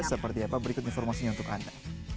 seperti apa berikut informasinya untuk anda